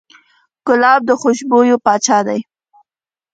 ګلاب د خوشبویو پاچا دی.